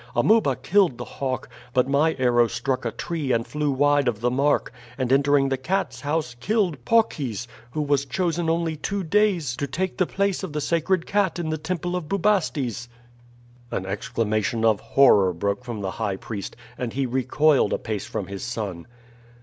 Amuba killed the hawk, but my arrow struck a tree and flew wide of the mark, and entering the cats' house killed Paucis, who was chosen only two days to take the place of the sacred cat in the temple of Bubastes." An exclamation of horror broke from the high priest, and he recoiled a pace from his son.